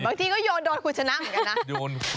บางทีก็โยนโดนคุณชนะเหมือนกันนะ